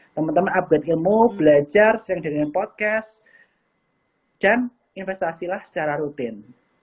teman teman upgrade ilmu belajar sering dengan podcast dan investasilah secara rutin